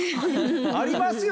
ありますよ。